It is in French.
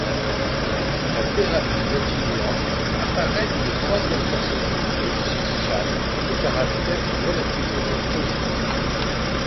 La thérapie continuant, apparaît une troisième personnalité, Jane au caractère relativement posé.